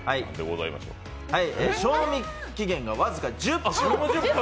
賞味期限が僅か１０分。